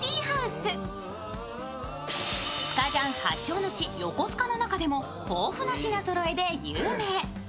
スカジャン発祥の地、横須賀の中でも豊富な品ぞろえで有名。